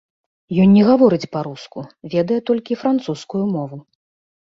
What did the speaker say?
Ён не гаворыць па-руску, ведае толькі французскую мову.